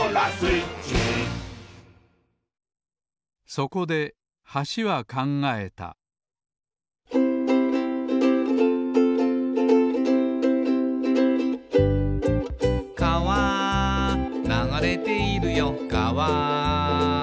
そこで橋は考えた「かわ流れているよかわ」